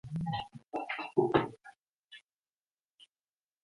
En la antigua Roma destacó la gens Cornelia, a la que pertenecieron los Escipiones.